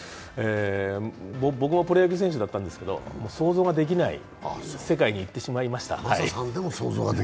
僕もプロ野球選手だったんですけど想像ができない世界にいってしまいました。